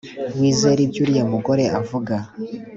wizera ibyo uriya mugore avuga